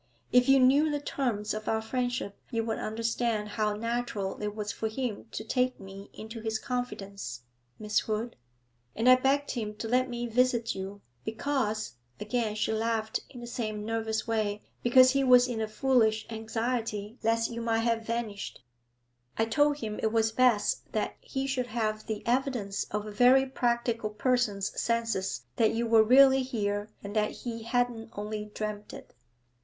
If you knew the terms of our friendship you would understand how natural it was for him to take me into his confidence, Miss Hood. And I begged him to let me visit you, because' again she laughed in the same nervous way 'because he was in a foolish anxiety lest you might have vanished; I told him it was best that he should have the evidence of a very practical person's senses that you were really here and that he hadn't only dreamt it.